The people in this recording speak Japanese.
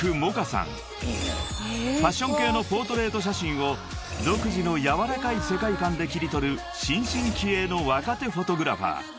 ［ファッション系のポートレート写真を独自の柔らかい世界観で切り取る新進気鋭の若手フォトグラファー］